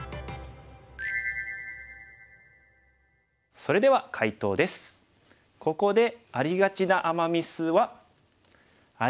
それでは解答です。